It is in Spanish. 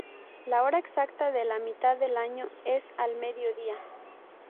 La hora exacta de la mitad del año es al mediodía.